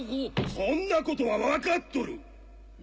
そんなことは分かっとる！